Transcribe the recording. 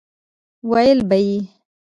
ويل به يې